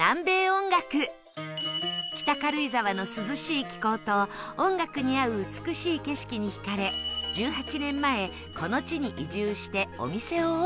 北軽井沢の涼しい気候と音楽に合う美しい景色に惹かれ１８年前この地に移住してお店をオープン